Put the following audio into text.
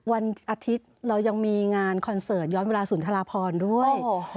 วันอาทิตย์เรายังมีงานคอนเสิร์ตย้อนเวลาสุนทราพรด้วย